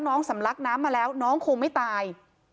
น้องสำลักน้ำมาแล้วน้องคงไม่ตาย